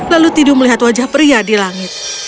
lalu tidu melihat wajah pria di langit